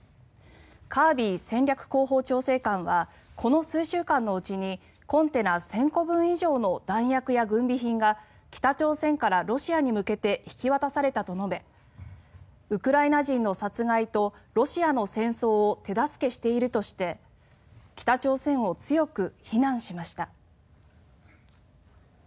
カービー戦略広報調整官はこの数週間のうちにコンテナ１０００個分以上の弾薬や軍備品が北朝鮮からロシアに向けて引き渡されたと述べウクライナ人の殺害とロシアの戦争を手助けしているとして北朝鮮を強く非難しました。